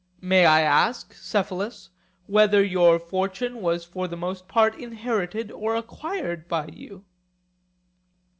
May I ask, Cephalus, whether your fortune was for the most part inherited or acquired by you?